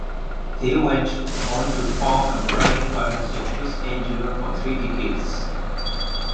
They went on to form a writing partnership which endured for three decades.